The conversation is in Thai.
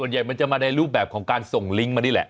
ใหญ่มันจะมาในรูปแบบของการส่งลิงก์มานี่แหละ